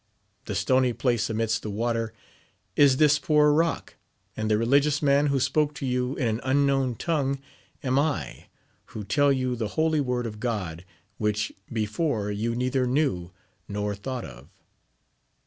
The stony place amidst the water, is this poor rock ; and the religious man who spoke to you in an un known tongue, am I, who tell you the holy word of God, which before you neither knew nor thought of.